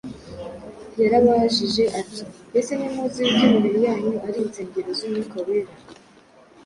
Yarabajije ati: “Mbese ntimuzi yuko imibiri yanyu ari insengero z’Umwuka Wera,